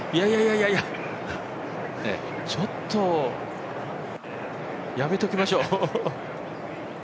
いやいや、ちょっとやめときましょう。